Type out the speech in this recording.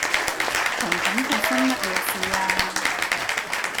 彤彤發生乜嘢事呀